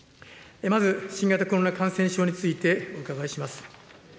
まず新型コロナ感染症についてお伺いします。